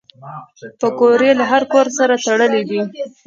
پکورې له هر کور سره تړلي دي